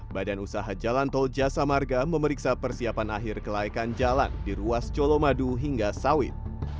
badan usaha jalan tol jasa marga memeriksa persiapan akhir kelaikan jalan di ruas colomadu hingga sawit